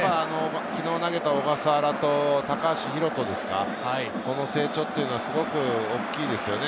昨日投げた小笠原と高橋宏斗ですか、この成長っていうのはすごく大きいですよね。